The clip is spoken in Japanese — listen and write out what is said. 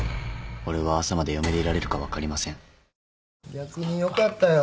逆によかったよ。